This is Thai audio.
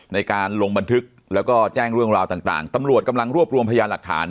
ในการลงบันทึกแล้วก็แจ้งเรื่องราวต่างตำรวจกำลังรวบรวมพยานหลักฐาน